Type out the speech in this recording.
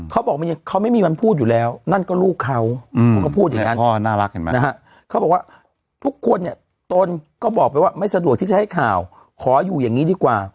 เขาบอกเขาไม่มีวันพูดอยู่แล้วนั่นก็ลูกเขาเขาก็พูดอย่างนั้นนะฮะเขาบอกว่าทุกคนเนี่ยตนก็บอกไปว่าไม่สะดวกที่จะให้ข่าวขออยู่อย่างนี้ดีกว่า